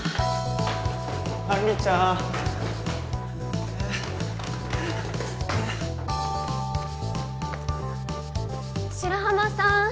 杏里ちゃん白浜さん